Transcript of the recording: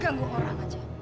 ganggu orang aja